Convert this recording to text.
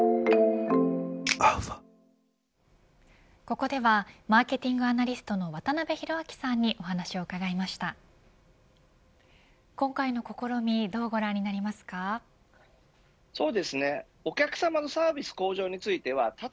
ここではマーケティングアナリストの渡辺広明さんにお話を伺いました。